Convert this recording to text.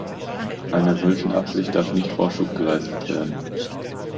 Einer solchen Absicht darf nicht Vorschub geleistet werden.